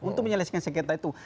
untuk menyaliskan sengketa itu